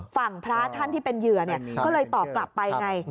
พระท่านที่เป็นเหยื่อก็เลยตอบกลับไปไง